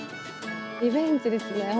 リベンジですね